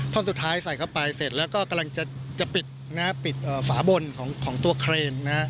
ท่อนสุดท้ายใส่เข้าไปเสร็จแล้วก็กำลังจะปิดฝาบนของตัวเครน